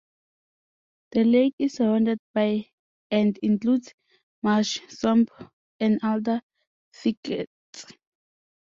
The lake is surrounded by and includes marsh, swamp and alder thickets.